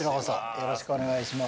よろしくお願いします。